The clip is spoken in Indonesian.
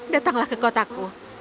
datanglah ke kotaku